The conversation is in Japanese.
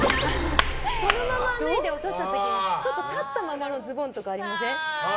そのまま脱いで、落とした時に立ったままのズボンとかありません？